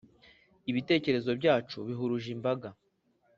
Ibitekerezo byacu byahuruje imbaga